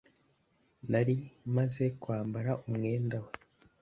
Nari maze kwambara umwenda we